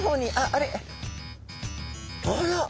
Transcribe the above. あれ？